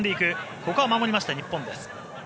ここは守りました、日本です。